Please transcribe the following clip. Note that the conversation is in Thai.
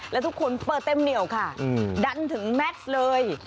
และทุกคนเปิดเต็มเหนียวค่ะดันถึงแมทเลย